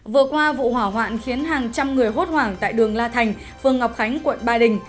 vừa qua vụ hỏa hoạn khiến hàng trăm người hốt hoảng tại đường la thành phường ngọc khánh quận ba đình